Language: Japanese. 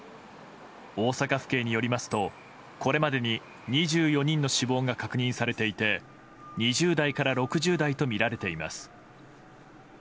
大阪府警によりますとこれまでに２４人の死亡が確認されていて２０代から６０代とみられています。